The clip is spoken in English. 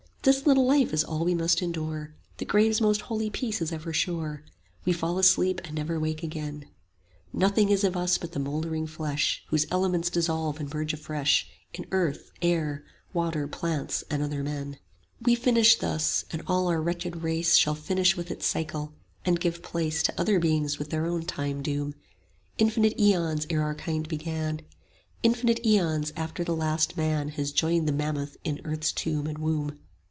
This little life is all we must endure, The grave's most holy peace is ever sure, 50 We fall asleep and never wake again; Nothing is of us but the mouldering flesh, Whose elements dissolve and merge afresh In earth, air, water, plants, and other men. We finish thus; and all our wretched race 55 Shall finish with its cycle, and give place To other beings with their own time doom: Infinite aeons ere our kind began; Infinite aeons after the last man Has joined the mammoth in earth's tomb and womb.